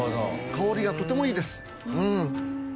香りがとてもいいです。